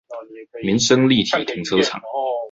民生立體停車場